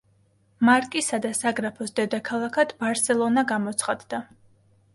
მარკისა და საგრაფოს დედაქალაქად ბარსელონა გამოცხადდა.